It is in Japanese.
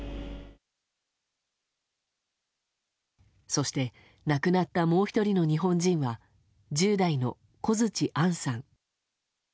そして亡くなったもう１人の日本人は１０代の小槌杏さん。